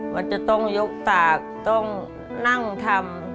มันจะต้องยกปากต้องนั่งทำ